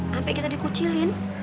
sampai kita dikucilin